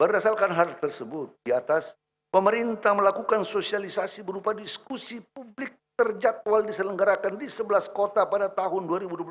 berdasarkan hal tersebut di atas pemerintah melakukan sosialisasi berupa diskusi publik terjadwal diselenggarakan di sebelas kota pada tahun dua ribu dua puluh